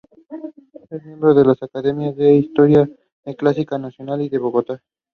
Democrat Richard Phelan was elected to succeed him.